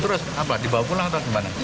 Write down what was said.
terus apa dibawa pulang atau gimana